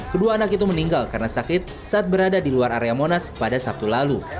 kedua anak itu meninggal karena sakit saat berada di luar area monas pada sabtu lalu